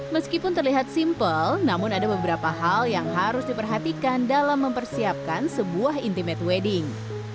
meskipun terlihat simple namun ada beberapa hal yang harus diperhatikan dalam mempersiapkan sebuah intimate wedding